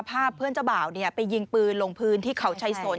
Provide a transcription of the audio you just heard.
ภาพเพื่อนเจ้าบ่าวไปยิงปืนลงพื้นที่เขาชัยสน